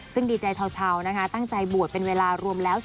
ซึ่งดีใจชาวนะคะตั้งใจบวชเป็นเวลารวมแล้ว